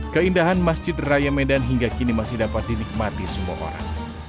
keindahan masjid raya medan hingga kini masih dapat dinikmati semua orang